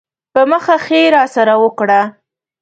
په مخه ښې یې راسره وکړه.